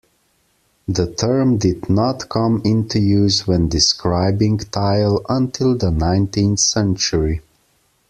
The term did not come into use when describing tile until the nineteenth century.